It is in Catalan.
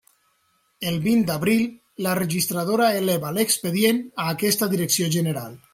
El vint d'abril, la registradora eleva l'expedient a aquesta Direcció General.